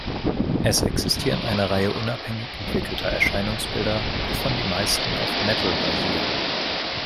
Es existieren eine Reihe unabhängig entwickelter Erscheinungsbilder, wovon die meisten auf Metal basieren.